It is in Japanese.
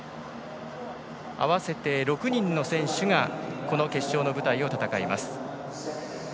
合わせて６人の選手がこの決勝の舞台を戦います。